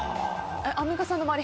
アンミカさんの周り